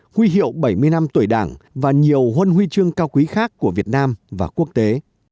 huy hiệu bảy mươi năm tuổi đảng và nhiều huân huy chương cao quý khác của việt nam và quốc tế